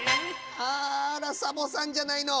あらサボさんじゃないの！